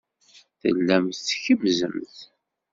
Tellamt tkemmzemt.